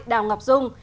đào ngọc dung